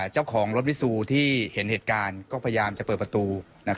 เจ้าของรถวิซูที่เห็นเหตุการณ์ก็พยายามจะเปิดประตู